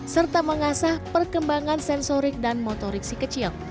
serta mengasah perkembangan sensorik dan motorik si kecil